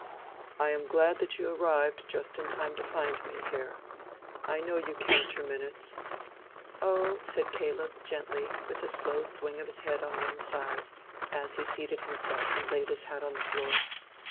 "I am glad that you arrived just in time to find me here. I know you count your minutes." "Oh," said Caleb, gently, with a slow swing of his head on one side, as he seated himself and laid his hat on the floor.